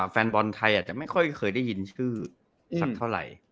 แฟนบอลไทยอาจจะไม่ค่อยเคยได้ยินชื่อสักเท่าไหร่